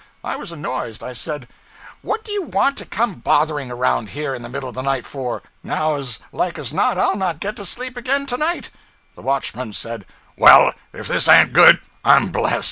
I was annoyed. I said: 'What do you want to come bothering around here in the middle of the night for. Now as like as not I'll not get to sleep again to night.' The watchman said 'Well, if this an't good, I'm blest.'